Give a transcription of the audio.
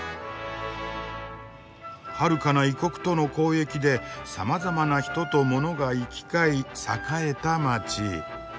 はるかな異国との交易でさまざまな人と物が行き交い栄えた街。